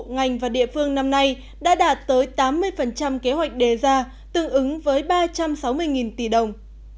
ngành và địa phương năm nay đã đạt tới tám mươi kế hoạch đề ra tương ứng với ba trăm sáu mươi tỷ đồng